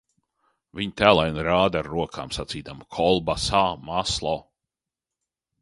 Viņa tēlaini rāda ar rokām sacīdama – kolbasa, maslo.